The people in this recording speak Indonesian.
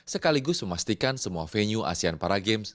sekaligus memastikan semua venue asean paragames